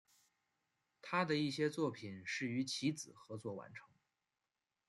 他的一些作品是与其子合作完成。